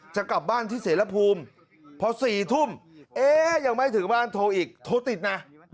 จะกลับบ้านที่เสรภูมิพอ๔ทุ่มเอ๊ยังไม่ถึงบ้านโทรอีกโทรติดนะ